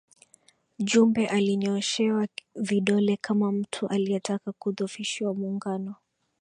Jumbe alinyooshewa vidole kama mtu aliyetaka kuudhofisha Muungano